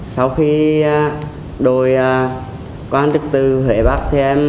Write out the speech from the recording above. sau khi đổi quan trực từ huế bắc